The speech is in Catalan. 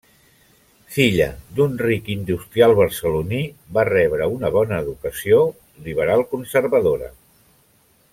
Filla d'un ric industrial barceloní, va rebre una bona educació i liberal-conservadora.